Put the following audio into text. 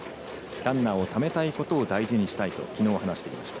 ランナーをためないことを大事にしたいときのう、話していました。